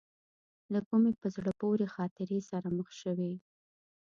له کومې په زړه پورې خاطرې سره مخ شوې.